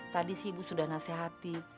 tadi sih ibu sudah nasehati